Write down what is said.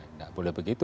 tidak boleh begitu